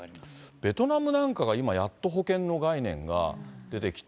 ベトナムなんかが、今やっと保険の概念が出てきて、